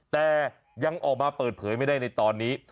แต่ยังออกมาเปิดเผยไม่ได้ในตอนนี้